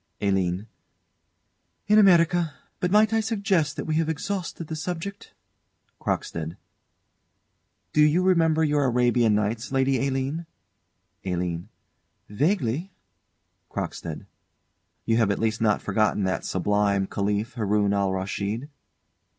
ALINE. In America. But might I suggest that we have exhausted the subject? CROCKSTEAD. Do you remember your "Arabian Nights," Lady Aline? ALINE. Vaguely. CROCKSTEAD. You have at least not forgotten that sublime Caliph, Haroun Al Raschid?